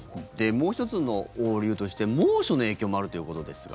もう１つの理由として猛暑の影響もあるということですが。